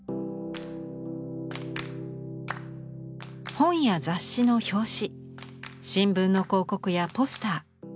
本や雑誌の表紙新聞の広告やポスター。